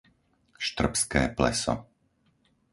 Štrbské Pleso